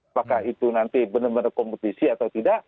apakah itu nanti benar benar kompetisi atau tidak